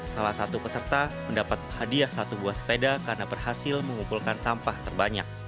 salah satu peserta mendapat hadiah satu buah sepeda karena berhasil mengumpulkan sampah terbanyak